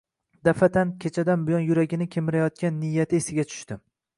Dafʼatan kechadan buyon yuragini kemirayotgan niya-ti esiga tushdi